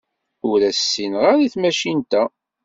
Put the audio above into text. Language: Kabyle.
Ur as-ssineɣ ara i tmacint-a.